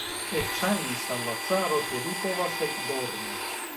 Ekŝajnis al la caro, ke li povas ekdormi.